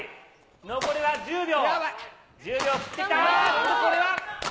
残りは１０秒。